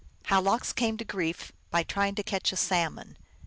How Lox came to Grief by trying to catch a Salmon.